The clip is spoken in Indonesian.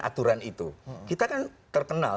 aturan itu kita kan terkenal